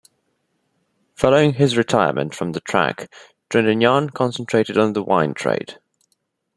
Following his retirement from the track Trintignant concentrated on the wine trade.